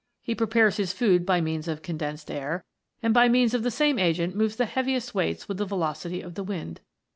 He prepares his food by means of condensed air, and by means of the same agent moves the heaviest weights with the velocity of the wind.